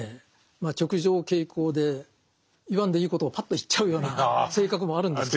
まあ直情径行で言わんでいいことをパッと言っちゃうような性格もあるんですけど。